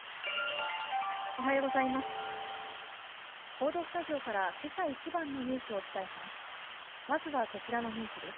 報道スタジオから、けさ一番のニュースをお伝えします。